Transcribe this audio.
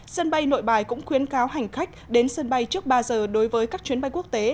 sân bay nội bài cũng khuyến cáo hành khách đến sân bay trước ba giờ đối với các chuyến bay quốc tế